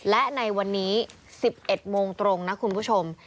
และในวันนี้๑๑โมงตรงนะคุณผู้ชม